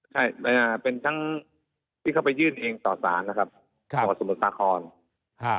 ใช่เป็นทั้งที่เขาไปยื่นเองต่อสารนะครับต่อสนธรรมศาลา